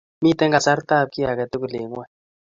Miten kasartab ki tugul eng' ng'wony.